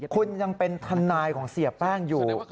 คุณยังเป็นทนายของเสียแป้งอยู่